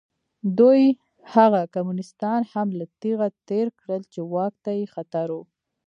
دوی هغه کمونېستان هم له تېغه تېر کړل چې واک ته یې خطر و.